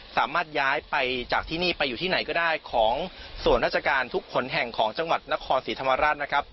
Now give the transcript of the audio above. สามารถย้ายไปจากที่นี่ไปอยู่ที่ไหนก็ได้ของส่วนราชการทุกคนแห่งของจังหวัดนครศรีธรรมราชนะครับ